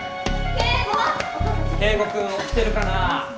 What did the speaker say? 圭吾君起きてるかな？